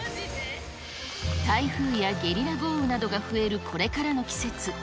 台風やゲリラ豪雨などが増えるこれからの季節。